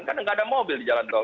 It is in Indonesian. kan nggak ada mobil di jalan tol